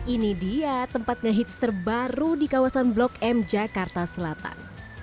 ini dia tempat ngehits terbaru di kawasan blok m jakarta selatan